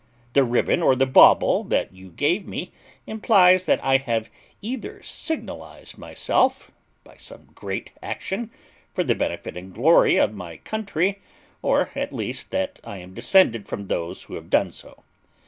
The ribbon or the bauble that you gave me implies that I have either signalised myself, by some great action, for the benefit and glory of my country, or at least that I am descended from those who have done so.